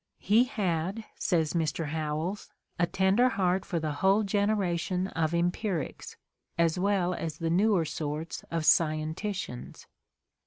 "He had," says Mr. Howells, "a tender heart for the whole generation of empirics, as well as the newer sorts of scienticians.